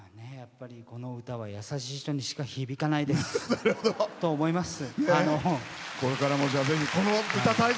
この歌は優しい人にしか響かないと思います。